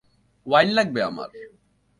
Wine লাগবে আমার!